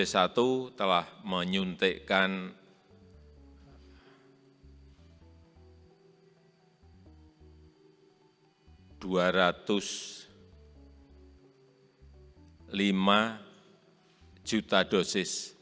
satu telah menyuntikkan dua ratus lima juta dosis